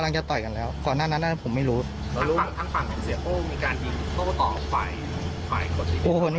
ทั้งฝั่งคือเสป้อมีการยิงเขาต่อไป